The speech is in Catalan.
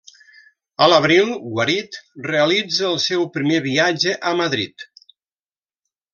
A l'abril, guarit, realitza el seu primer viatge a Madrid.